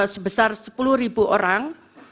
sebesar sepuluh ribu orang